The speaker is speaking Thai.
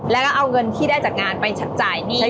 แล้วก็เอาเงินที่ได้จากงานไปจ่ายหนี้